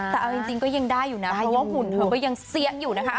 แต่เอาจริงก็ยังได้อยู่นะเพราะว่าหุ่นเธอก็ยังเสี้ยงอยู่นะคะ